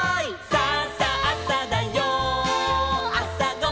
「さあさあさだよあさごはん」